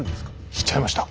しちゃいました。